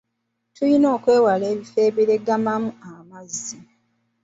Tulina okwewala ebifo ebiregamamu amazzi.